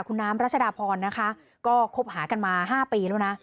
คุณน้ำรัชดาพรนะคะก็คบหากันมา๕ปีแล้วนะ